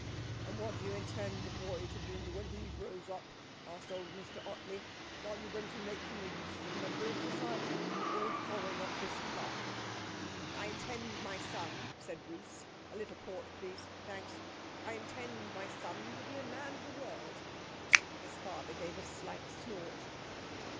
'And what do you intend the boy to be when he grows up?' asked old Mr Ottley. 'Are you going to make him a useful member of society, or a Foreign Office clerk?' 'I intend my son,' said Bruce '(a little port, please. Thanks.) I intend my son to be a Man of the World.' His father gave a slight snort.